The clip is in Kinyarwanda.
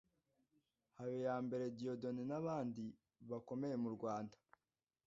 Habiyambere Dieudonné n’abandi bakomeye mu Rwanda